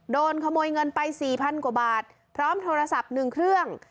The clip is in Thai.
โดนขโมยเงินไป๔๐๐กว่าบาทพร้อมโทรศัพท์๑เครื่อง